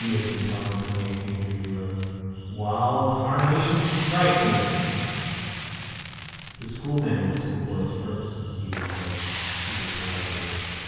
has been telling some yankee interviewer. Wall, tarnation strike me! —The schoolmen were schoolboys first, Stephen said superpolitely.